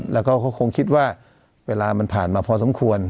แล้วก็เขาคงคิดว่าเวลามันผ่านมาพอสมควร